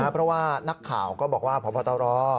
เพราะว่านักข่าวก็บอกว่าพบตร